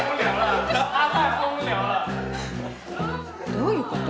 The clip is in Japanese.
どういうこと？